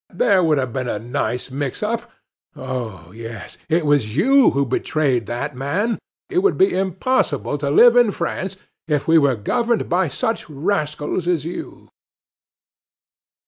There would have been a nice mix up. Oh, yes! It was you who betrayed that man. It would be impossible to live in France if we were governed by such rascals as you!"